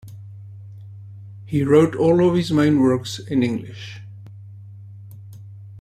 He wrote all of his main works in English.